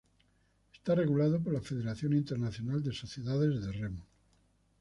Está regulado por la Federación Internacional de Sociedades de Remo.